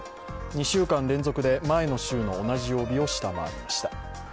２週間連続で前の週の同じ曜日を下回りました。